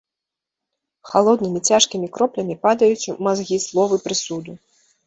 Халоднымі цяжкімі кроплямі падаюць у мазгі словы прысуду.